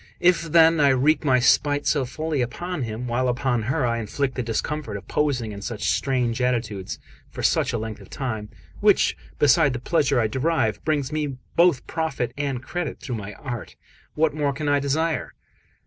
If then I wreak my spite so fully upon him, while upon her I inflict the discomfort of posing in such strange attitudes for such a length of time which, beside the pleasure I derive, brings me both profit and credit through my art what more can I desire?"